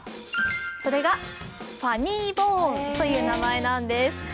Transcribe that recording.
それがファニーボーンという名前なんです。